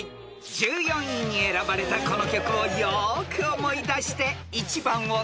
［１４位に選ばれたこの曲をよーく思い出して］